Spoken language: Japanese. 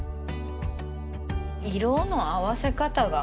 色の合わせ方が。